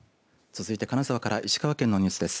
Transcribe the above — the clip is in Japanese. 続いて金沢から石川県のニュースです。